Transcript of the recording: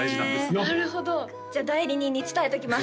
なるほどじゃあ代理人に伝えときます